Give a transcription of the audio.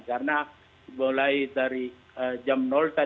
karena mulai dari jam enam pagi